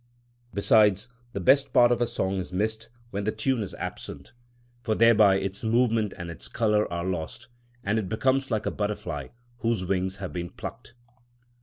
Besides, the best part of a song is missed when the tune is absent; for thereby its movement and its colour are lost, and it becomes like a butterfly whose wings have been plucked.